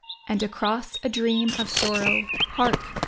And across a dream of sorrow, hark